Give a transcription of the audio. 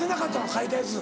書いたやつ。